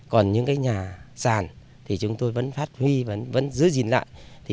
còn những nhà sàn chúng tôi vẫn phát huy vẫn giữ gìn lại